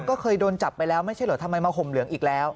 ก็เคยโดนจับไปแล้วไม่ใช่เหรอทำไมมาห่มเหลืองอีกแล้ว